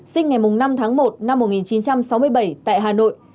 sinh ngày năm tháng một năm một nghìn chín trăm sáu mươi bảy tại hà nội